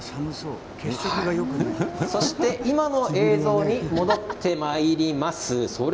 今の映像に戻ってまいります。